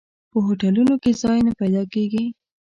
په هوټلونو کې ځای نه پیدا کېږي.